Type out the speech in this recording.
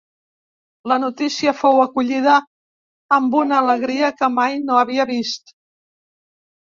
La notícia fou acollida amb una alegria que mai no havia vist.